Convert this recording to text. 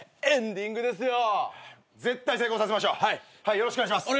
よろしくお願いします。